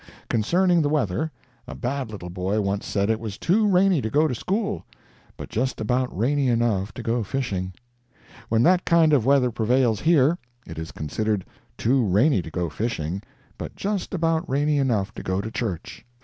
Concerning the weather, a bad little boy once said it was too rainy to go to school, but just about rainy enough to go fishing. When that kind of weather prevails here, it is considered too rainy to go fishing, but just about rainy enough to go to church.